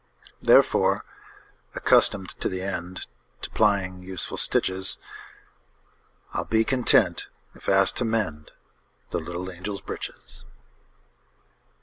Therefore, accustomed to the endTo plying useful stitches,I 'll be content if asked to mendThe little angels' breeches.